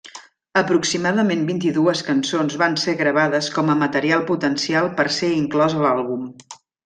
Aproximadament vint-i-dues cançons van ser gravades com a material potencial per ser inclòs a l’àlbum.